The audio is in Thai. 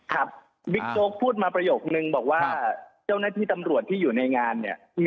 บิ๊กโจ๊กพูดมาประโยคนึงบอกว่าเจ้าหน้าที่ตำรวจที่อยู่ในงานเนี่ย